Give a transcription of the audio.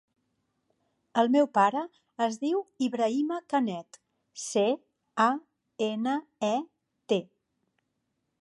El meu pare es diu Ibrahima Canet: ce, a, ena, e, te.